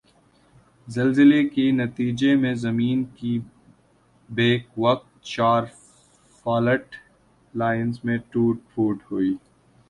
زلزلی کی نتیجی میں زمین کی بیک وقت چار فالٹ لائنز میں ٹوٹ پھوٹ ہوئی۔